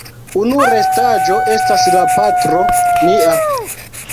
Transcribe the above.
Unu restaĵo estas la "Patro nia".